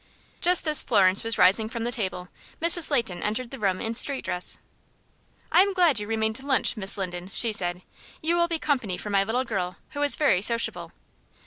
Just as Florence was rising from the table, Mrs. Leighton entered the room in street dress. "I am glad you remained to lunch, Miss Linden," she said. "You will be company for my little girl, who is very sociable.